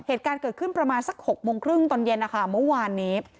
เหตุการณ์เกิดขึ้นประมาณสัก๖โมงครึ่งตอนเย็นนะคะเมื่อวานนี้